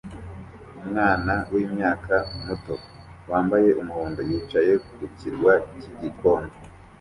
Umwana wimyaka muto yambaye umuhondo yicaye ku kirwa cyigikoni